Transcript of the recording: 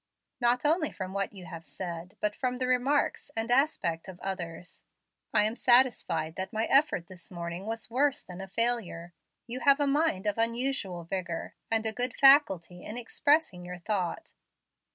Not only from what you have said, but from the remarks and aspect of others, I am satisfied that my effort this morning was worse than a failure. You have a mind of unusual vigor, and a good faculty in expressing your thought.